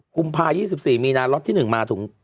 กุมภา๒๔มีนาล็อตที่๑มาถึง